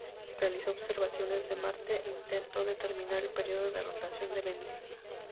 Realizó observaciones de Marte e intentó determinar el periodo de rotación de Venus.